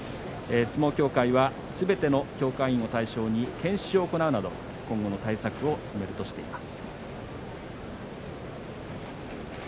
相撲協会は、すべての協会員を対象に研修を行うなど今後の対策を進めるとしています。